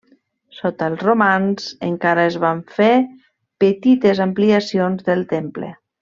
Sota els romans, encara es van fer petites ampliacions del temple.